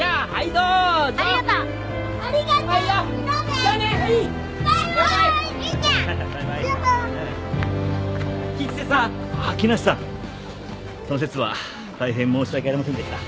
その節は大変申し訳ありませんでした。